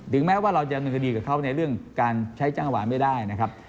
แม้ว่าเราจะดำเนินคดีกับเขาในเรื่องการใช้จ้างหวานไม่ได้นะครับ